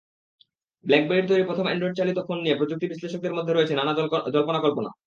ব্ল্যাকবেরির তৈরি প্রথম অ্যান্ড্রয়েডচালিত ফোন নিয়ে প্রযুক্তি-বিশ্লেষকেদের মধ্যে চলছে নানা জল্পনা-কল্পনা।